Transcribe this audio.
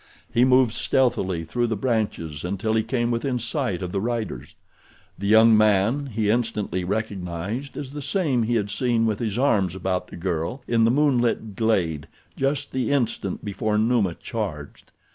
He moved stealthily through the branches until he came within sight of the riders. The younger man he instantly recognized as the same he had seen with his arms about the girl in the moonlit glade just the instant before Numa charged.